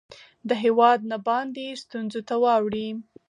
د هیواد نه باندې ستونځو ته واړوي